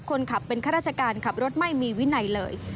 คนขับเป็นข้าราชการขับรถไม่มีวินัยเลย